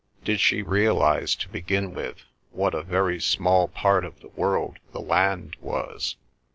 Did she realise, to begin with, what a very small part of the world the land was?